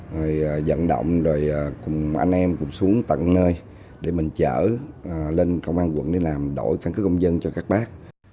rồi dẫn động rồi cùng anh em cùng xuống tận nơi để mình chở lên công an quận để làm đổi căn cứ công dân cho các bác